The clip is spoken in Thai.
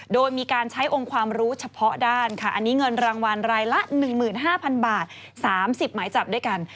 โดยมีการใช้องค์ความรู้เฉพาะด้านค่ะอันนี้เงินรางวัลรายละ๑๕๐๐๐บาท๓๐หมายจับด้วยกัน